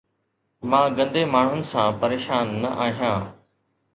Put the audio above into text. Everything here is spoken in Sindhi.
مان گندي ماڻهن سان پريشان نه آهيان